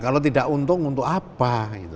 kalau tidak untung untuk apa